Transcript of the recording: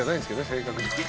正確には。